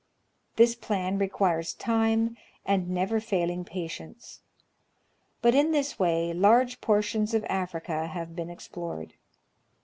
This plan requires time and never failing patience ; but in this way large portions of Africa have been explored.